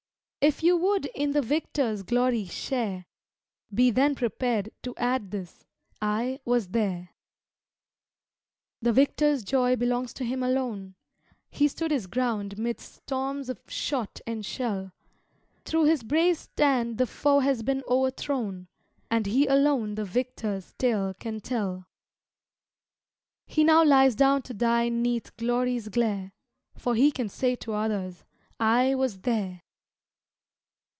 If you would in the victor's glory share, Be then prepared to add this, "I was there!" The victor's joy belongs to him alone; He stood his ground 'midst storms of shot and shell; Thro' his brave stand the foe has been o'erthrown, And he alone the victor's tale can tell. He now lies down to die 'neath glory's glare, For he can say to others, "_I was there!